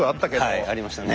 はいありましたね。